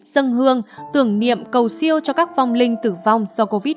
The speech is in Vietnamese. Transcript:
dân hương tưởng niệm cầu siêu cho các vong linh tử vong do covid một mươi